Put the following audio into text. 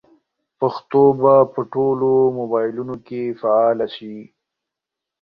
پښتو به په ټولو موبایلونو کې فعاله شي.